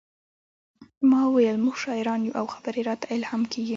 ما وویل موږ شاعران یو او خبرې راته الهام کیږي